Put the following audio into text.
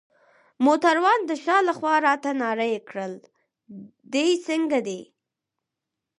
موټروان د شا لخوا راته نارې کړل: دی څنګه دی؟